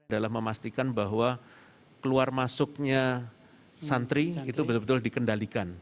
dalam memastikan bahwa keluar masuknya santri itu betul betul dikendalikan